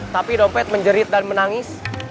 tapi dompet menjerit dan menangis